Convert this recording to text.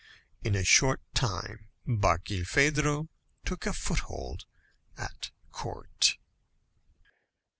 In a short time Barkilphedro took a foothold at court.